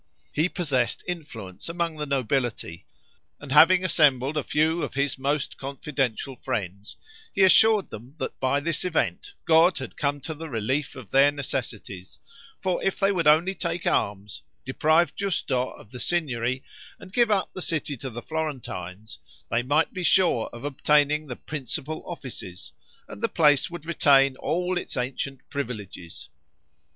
He possessed influence among the nobility, and having assembled a few of his most confidential friends, he assured them that by this event, God had come to the relief of their necessities; for if they would only take arms, deprive Giusto of the Signory, and give up the city to the Florentines, they might be sure of obtaining the principal offices, and the place would retain all its ancient privileges.